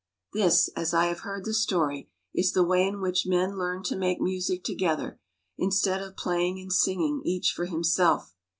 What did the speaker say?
This, as I have heard the story, is the way in which men learned to make music together, instead of playing and singing each for himself.